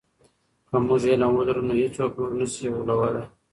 که موږ علم ولرو نو هیڅوک موږ نه سی غولولی.